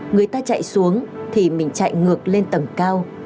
người ta chạy xuống thì mình chạy ngược lên tầng cao